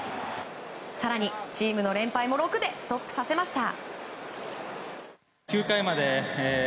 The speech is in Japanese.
更にチームの連敗も６でストップさせました。